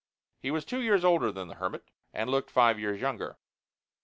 He was two years older than the hermit, and looked five years younger.